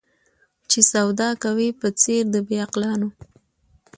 چي سودا کوې په څېر د بې عقلانو